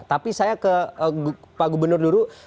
tapi saya ke pak gubernur dulu